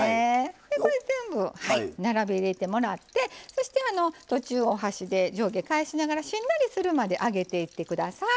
でこれ全部並べ入れてもらってそして途中お箸で上下返しながらしんなりするまで揚げていって下さい。